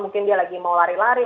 mungkin dia lagi mau lari lari